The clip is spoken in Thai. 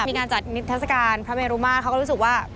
มีการจัดนิทัศกาลพระเมรุมาตรเขาก็รู้สึกว่า